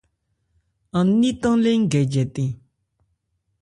An ní tan lé ń gɛ jɛtɛn.